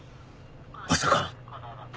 まさか。